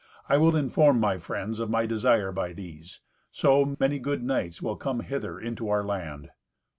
I will inform my friends of my desire by these; so, many good knights will come hither into our land."